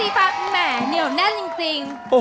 สีจบนะคะและมีสีฟ้าแหมเหนียวแน่นจริง